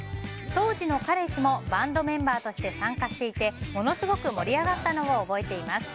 当時の彼氏もバンドメンバーとして参加していてものすごく盛り上がったのを覚えています。